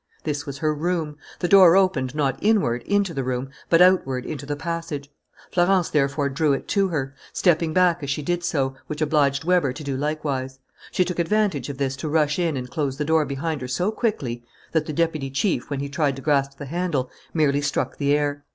This was her room. The door opened not inward, into the room, but outward, into the passage. Florence therefore drew it to her, stepping back as she did so, which obliged Weber to do likewise. She took advantage of this to rush in and close the door behind her so quickly that the deputy chief, when he tried to grasp the handle, merely struck the air.